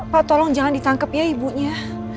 pak tolong jangan ditangkap ya ibunya